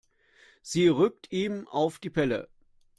Sie rückt ihm auf die Pelle.